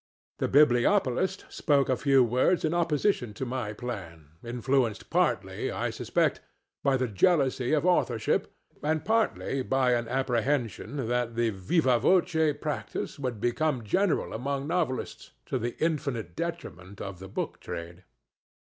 The bibliopolist spoke a few words in opposition to my plan—influenced partly, I suspect, by the jealousy of authorship, and partly by an apprehension that the vivâ voce practice would become general among novelists, to the infinite detriment of the book trade.